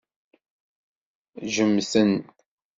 Ǧǧemt-ten.